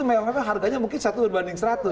memang harganya mungkin satu berbanding seratus